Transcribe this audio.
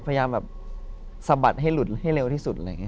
พยายามสะบัดให้หลุดให้เร็วที่สุด